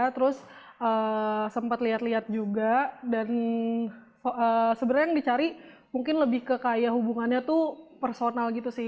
terus sempet liat liat juga dan sebenarnya yang dicari mungkin lebih kekaya hubungannya tuh personal gitu sih